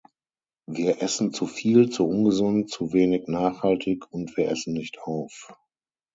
Wir essen zu viel, zu ungesund, zu wenig nachhaltig und wir essen nicht auf.